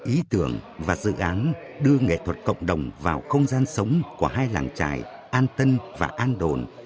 ý tưởng và dự án đưa nghệ thuật cộng đồng vào không gian sống của hai làng trải an tân và an đồn